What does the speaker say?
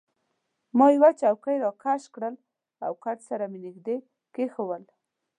ما یوه چوکۍ راکش کړل او کټ سره يې نژدې کښېښوول.